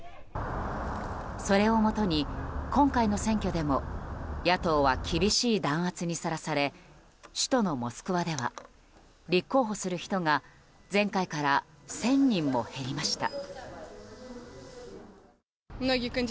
それをもとに、今回の選挙でも野党は厳しい弾圧にさらされ首都のモスクワでは立候補する人が前回から１０００人も減りました。